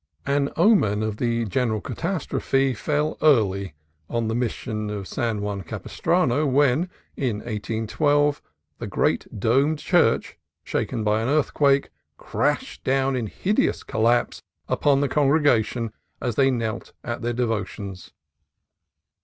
An omen of the general catastrophe fell early on the Mission of San Juan Capistrano when, in 1812, the great domed church, shaken by an earthquake, crashed down in hideous collapse upon the congregation as they knelt at their devotions.